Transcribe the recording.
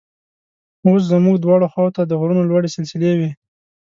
اوس زموږ دواړو خواو ته د غرونو لوړې سلسلې وې.